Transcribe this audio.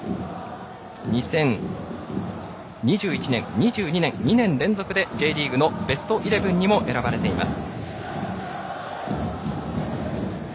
２０２１年、２２年、２年連続でＪリーグのベストイレブンにも選ばれています。